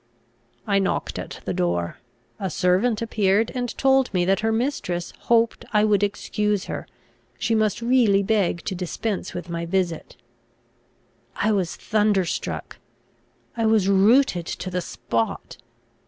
I knocked at the door. A servant appeared, and told me that her mistress hoped I would excuse her; she must really beg to dispense with my visit. I was thunderstruck. I was rooted to the spot.